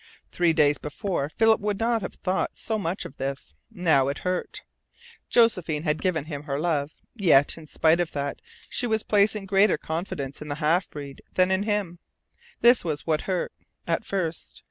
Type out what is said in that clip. Three days before Philip would not have thought so much of this. Now it hurt. Josephine had given him her love, yet in spite of that she was placing greater confidence in the half breed than in him. This was what hurt at first.